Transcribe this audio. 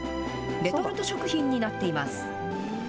レトルト食品になっています。